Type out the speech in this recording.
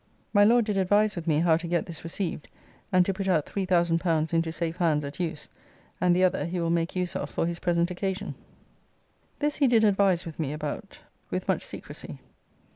My Lord did advise with me how to get this received, and to put out L3000 into safe hands at use, and the other he will make use of for his present occasion. This he did advise with me about with much secresy.